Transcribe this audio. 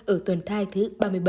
ở tuần thai thứ ba mươi bảy